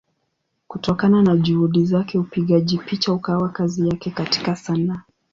Kutokana na Juhudi zake upigaji picha ukawa kazi yake katika Sanaa.